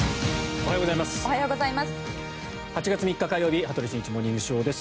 おはようございます。